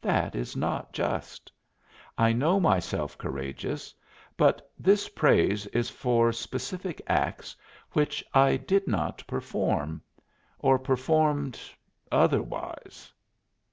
That is not just; I know myself courageous, but this praise is for specific acts which I did not perform, or performed otherwise.